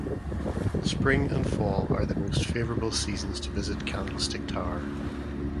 Spring and fall are the most favorable seasons to visit Candlestick Tower.